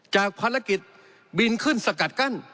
จากภารกิจบินขึ้นสกัดกั้น